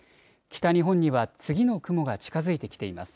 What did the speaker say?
北日本には次の雲が近づいてきています。